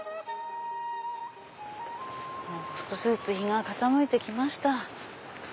少しずつ日が傾いて来ました。